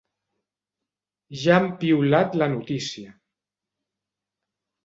Ja han piulat la notícia.